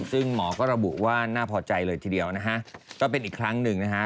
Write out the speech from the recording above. ซึ่งหมอก็ระบุว่าน่าพอใจเลยทีเดียวนะฮะก็เป็นอีกครั้งหนึ่งนะฮะ